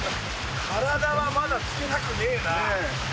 体はまだつけたくねえな。